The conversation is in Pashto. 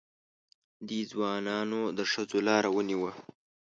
دې ځوانانو د ښځو لاره ونیوه.